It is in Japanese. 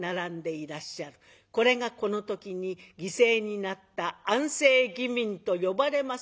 これがこの時に犠牲になった安政義民と呼ばれます